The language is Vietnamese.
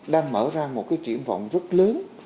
đang mở ra một cái triển vọng rất lớn